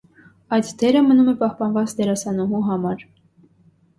Այդ դերը մնում է պահպանված դերասանուհու համար։